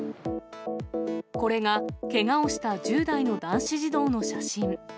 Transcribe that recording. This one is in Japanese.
これがけがをした１０代の男子児童の写真。